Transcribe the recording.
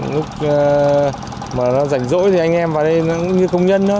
lúc mà nó rảnh rỗi thì anh em vào đây nó cũng như công nhân đó